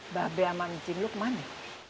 mbak be sama ncik luk mana